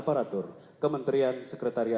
pertama pertama pertama